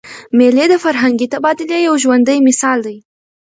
مېلې د فرهنګي تبادلې یو ژوندى مثال دئ.